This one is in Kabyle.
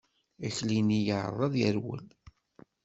Akli-nni yeεreḍ ad yerwel.